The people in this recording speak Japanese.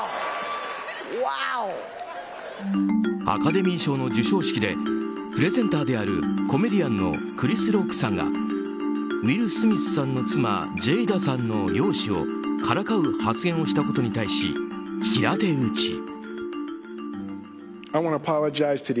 アカデミー賞の授賞式でプレゼンターであるコメディアンのクリス・ロックさんがウィル・スミスさんの妻ジェイダさんの容姿をからかう発言をしたことに対し、平手打ち。